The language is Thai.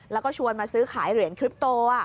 แล้วก็ชวนมาซื้อขายเหรียญคลิปโต